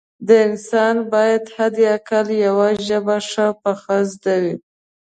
د انسان باید حد اقل یوه ژبه ښه پخه زده وي